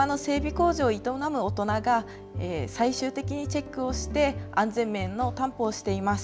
工場を営む大人が最終的にチェックをして、安全面の担保をしています。